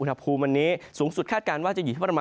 ในภาคฝั่งอันดามันนะครับ